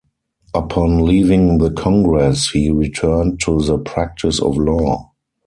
Upon leaving the Congress, he returned to the practice of law.